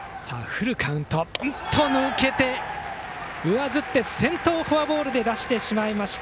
抜けて、上ずって先頭をフォアボールで出してしまいました。